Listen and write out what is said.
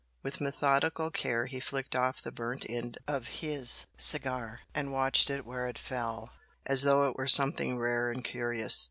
With methodical care he flicked off the burnt end of his cigar and watched it where it fell, as though it were something rare and curious.